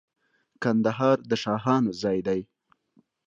کندهار د شاهانو ځای دی.